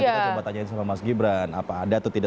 kita coba tanyain sama mas gibran apa ada atau tidak